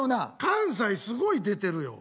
関西すごい出てるよ。